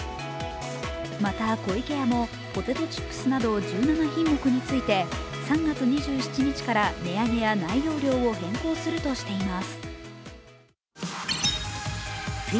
また湖池屋も、ポテトチップスなど１７品目について３月２７日から値上げや内容量を変更するとしています。